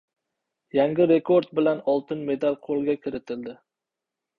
Yangi rekord bilan oltin medal qo‘lga kiritildi!